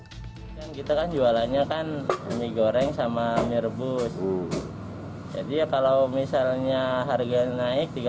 kita kan jualannya kan mie goreng sama mie rebus jadi ya kalau misalnya harga naik